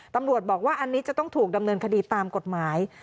ตำรวจบอกว่าอันนี้จะต้องถูกดำเนินคดีตามกฎหมาย